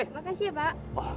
terima kasih ya pak